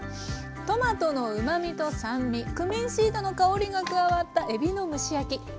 トマトのうまみと酸味クミンシードの香りが加わったえびの蒸し焼き。